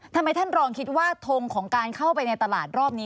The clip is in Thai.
ท่านรองคิดว่าทงของการเข้าไปในตลาดรอบนี้